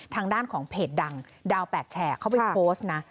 ทางด้านของเพจดังดาว๘แฉเขาไปโพสต์นะ